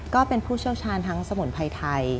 ก็เป็นผู้เชี่ยวชาญทั้งสมุนไพรไทย